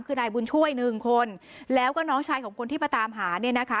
คือนายบุญช่วยหนึ่งคนแล้วก็น้องชายของคนที่มาตามหาเนี่ยนะคะ